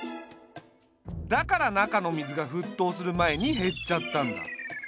だから中の水が沸騰する前に減っちゃったんだ。